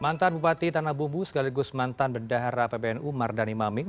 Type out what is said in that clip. mantan bupati tanah bumbu segaligus mantan berdahara ppnu mardani maming